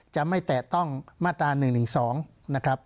จะไม่แตะต้องมาตรา๑๑๒นะครับ